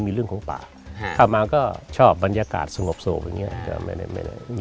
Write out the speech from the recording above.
มีเรื่องของป่าเข้ามาก็ชอบบรรยากาศสงบโศกอย่างนี้